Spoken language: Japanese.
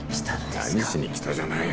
何しに来たじゃないよ